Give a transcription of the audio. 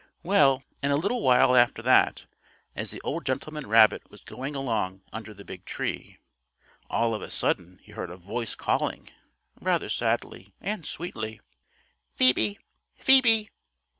Well, in a little while after that, as the old gentleman rabbit was going along under the big tree, all of a sudden he heard a voice calling, rather sadly and sweetly: "Phoebe! Phoebe!"